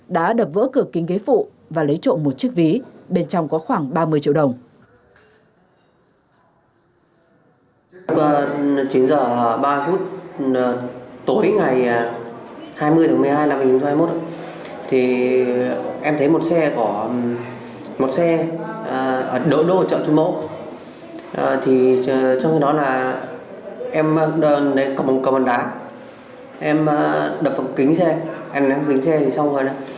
đã đập vỡ cửa kính ghế phụ và lấy trộm một chiếc ví bên trong có khoảng ba mươi triệu đồng